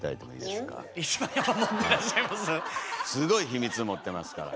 すごい秘密持ってますから。